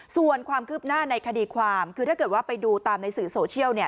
ส่วนความคืบหน้าในคดีความคือถ้าเกิดว่าไปดูตามในสื่อโซเชียลเนี่ย